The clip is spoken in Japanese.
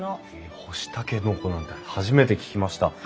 干しタケノコなんて初めて聞きました。